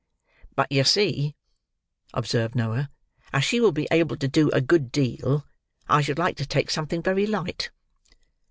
"But, yer see," observed Noah, "as she will be able to do a good deal, I should like to take something very light."